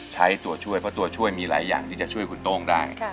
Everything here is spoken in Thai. ใช้ตัวช่วยเพราะตัวช่วยมีหลายอย่างที่จะช่วยคุณโต้งได้